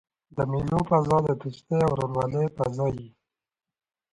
د مېلو فضا د دوستۍ او ورورولۍ فضا يي.